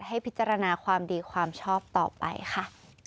ให้พิจารณาความดีความชอบต่อไปค่ะ